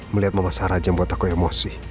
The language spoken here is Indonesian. melihat mama sarah aja membuat aku emosi